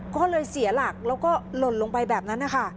ก็เลยเสียหลักแล้วก็หล่นลงไปแบบนั้นนะคะ